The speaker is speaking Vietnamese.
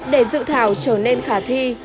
để dự thảo trở nên khả thi